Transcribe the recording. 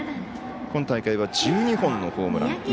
今大会は１２本のホームラン。